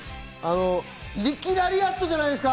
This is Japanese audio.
リキラリアットじゃないですか？